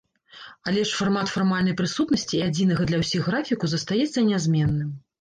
Але ж фармат фармальнай прысутнасці і адзінага для ўсіх графіку застаецца нязменным.